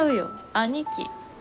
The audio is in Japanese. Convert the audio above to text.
兄貴。